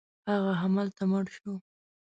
هغه همالته مړ شو.